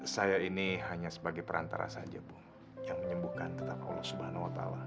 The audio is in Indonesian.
saya ini hanya sebagai perantara saja bu yang menyembuhkan tetap allah swt